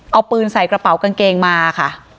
เอาปืนใส่กระเป๋ากางเกงมาค่ะ